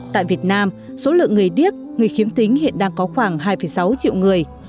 tại việt nam số lượng người điếc người khiếm thính hiện đang có khoảng hai sáu triệu người